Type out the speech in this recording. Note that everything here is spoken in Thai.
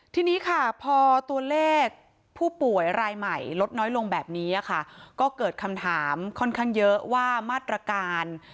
ทีนี้ค่ะพอตัวเลขผู้ป่วยรายใหม่ลดน้อยลงแบบนี้ค่ะก็เกิดคำถามค่อนข้างเยอะว่ามาตรการ